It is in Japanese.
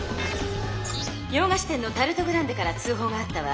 洋菓子店のタルト・グランデから通ほうがあったわ。